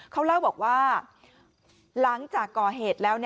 เขาเล่าบอกว่าหลังจากก่อเหตุแล้ว